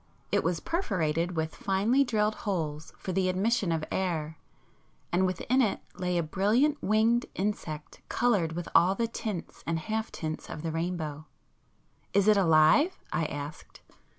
It was perforated with finely drilled holes for the admission of air, and within it lay a brilliant winged insect coloured with all the tints and half tints of the rainbow. "Is it alive?" I asked.